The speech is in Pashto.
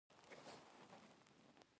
ارام د سکون نښه ده.